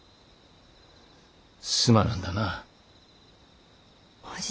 すまなんだなあ。